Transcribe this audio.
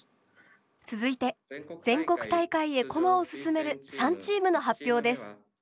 続いて全国大会へ駒を進める３チームの発表です。